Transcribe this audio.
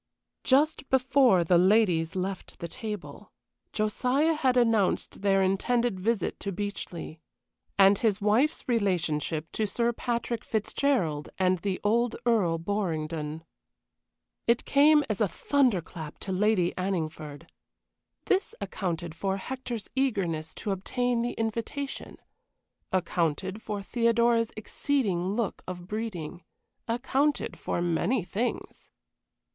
Just before the ladies left the table, Josiah had announced their intended visit to Beechleigh, and his wife's relationship to Sir Patrick Fitzgerald and the old Earl Borringdon. It came as a thunderclap to Lady Anningford. This accounted for Hector's eagerness to obtain the invitation accounted for Theodora's exceeding look of breeding accounted for many things.